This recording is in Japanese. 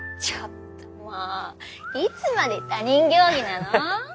ちょっともういつまで他人行儀なの？